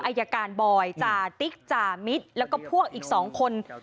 อายการบอยจ่าติ๊กจ่ามิตรแล้วก็พวกอีก๒คน